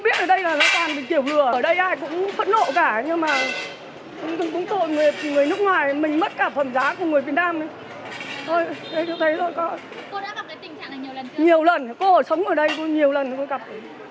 nhiều lần cô ở sống ở đây nhiều lần cô gặp